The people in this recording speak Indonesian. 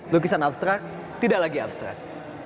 lukisan abstrak tidak lagi abstrak